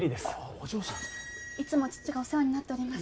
お嬢さんいつも父がお世話になっております